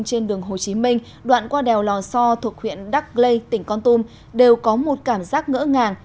trên đường hồ chí minh đoạn qua đèo lò so thuộc huyện đắc lây tỉnh con tum đều có một cảm giác ngỡ ngàng